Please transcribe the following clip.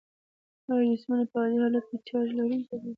آیا جسمونه په عادي حالت کې چارج لرونکي دي؟